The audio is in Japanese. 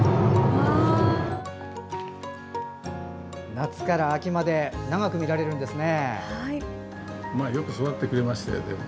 夏から秋まで長く見られるんですね。